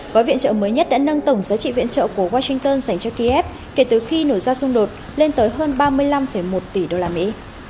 gói viện trợ mới nhất đã nâng tổng giá trị viện trợ của washington dành cho kiev kể từ khi nổ ra xung đột lên tới hơn ba mươi năm một tỷ đô la mỹ